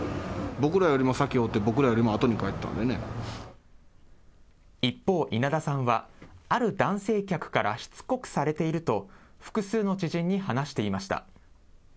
僕らよりも先おって、一方稲田さんは、ある男性客からしつこくされていると、複数の知人に話していました。